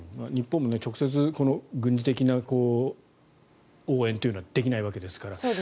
日本も直接軍事的な応援というのはできないわけですから。